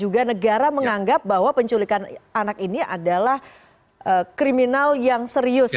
juga negara menganggap bahwa penculikan anak ini adalah kriminal yang serius